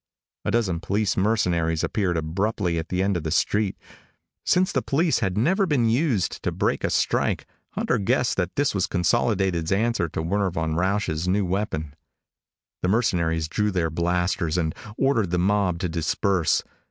A dozen police mercenaries appeared abruptly at the end of the street. Since the police had never been used to break a strike, Hunter guessed that this was Consolidated's answer to Werner von Rausch's new weapon. The mercenaries drew their blasters and ordered the mob to disperse.